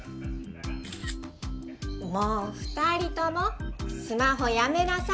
もう２人ともスマホやめなさい！